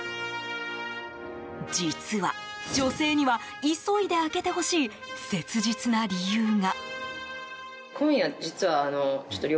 実は、女性には急いで開けてほしい切実な理由が。